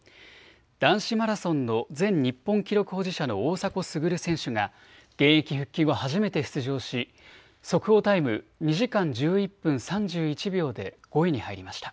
男子マラソンの前日本記録保持者の大迫傑選手が現役復帰後初めて出場し速報タイム、２時間１１分３１秒で５位に入りました。